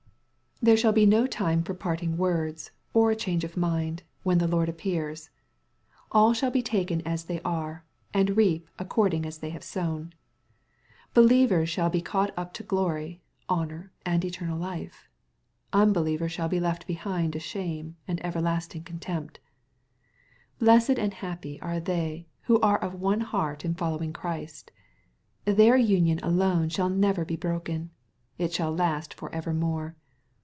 There shall be no 328 EXPOSITOBT THOUGHTS. time for parting words, or a change of mind, when the Lord appears. All shall be taken as they are, and reap accordingas they have sown. Believers shall be caught np to glory, honor, and eternal life. Unbelievers shall be left behind to shame and everlasting contempt. Blessed and happy are they who are of one heart in following Christ I Their union alone shall never be broken. It shall last for evermore.